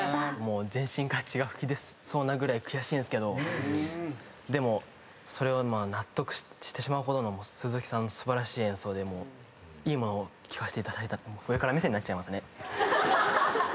全身から血が噴き出そうなぐらい悔しいんすけどでも納得してしまうほどの鈴木さんの素晴らしい演奏でいいものを聴かしていただいた上から目線になっちゃいますね。